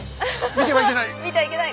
見てはいけない！